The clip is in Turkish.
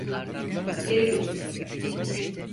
Geri götür.